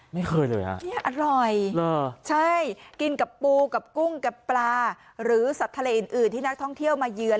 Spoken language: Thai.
ไม่เคยเลยฮะนี่อร่อยใช่กินกับปูกับกุ้งกับปลาหรือสัตว์ทะเลอื่นที่นักท่องเที่ยวมาเยือน